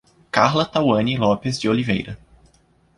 Carla Tawany Lopes de Oliveira